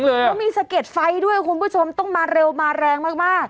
แล้วมีสะเก็ดไฟด้วยคุณผู้ชมต้องมาเร็วมาแรงมาก